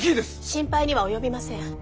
心配には及びません。